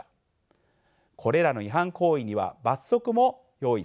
これらの違反行為には罰則も用意されています。